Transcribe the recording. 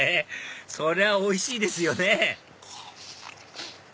そりゃおいしいですよね！